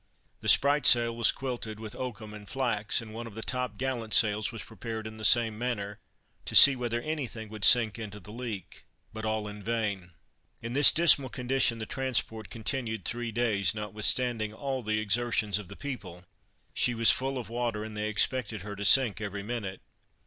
The spritsail was quilted with oakum and flax, and one of the top gallant sails was prepared in the same manner, to see whether any thing would sink into the leak, but all in vain. In this dismal condition the transport continued three days; notwithstanding all the exertions of the people, she was full of water, and they expected her to sink every minute.